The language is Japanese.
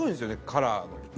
カラーの。